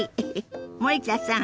森田さん